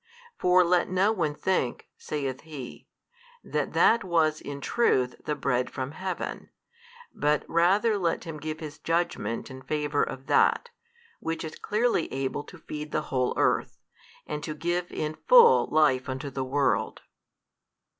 For let no one think (saith He) that that was in truth the Bread from heaven, but rather let him give his judgment in favour of That, which is clearly able to feed the whole earth, and to give in full life unto the world.